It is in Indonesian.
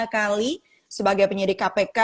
kali sebagai penyidik kpk